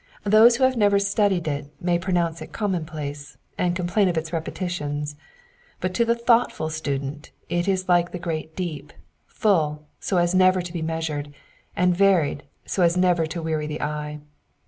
Those who have never studied it may pronounce it commonplace, and complain of its repetitions ; but to the thoughtful student it is like the gjreat deep, full, so as never to be measured ; and varied, so as never to weary the eye.